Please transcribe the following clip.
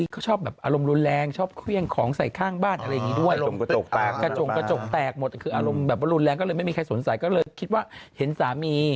เขาบอกว่าตอนที่เขาไปสัมภาษณ์เราดูวันนี้ดูสัมภาษณ์